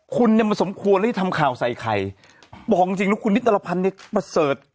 คุณเนี่ยมันสมควรแล้วที่ทำข่าวใส่ไข่บอกจริงจริงแล้วคุณนิตรพันธ์เนี่ยประเสริฐ